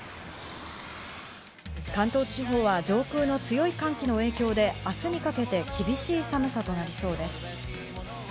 関東地方は上空の強い寒気の影響で、明日にかけて厳しい寒さとなりそうです。